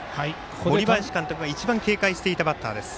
森林監督が一番警戒していたバッターです。